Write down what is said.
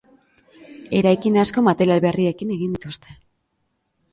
Eraikin asko material berriekin egin dituzte.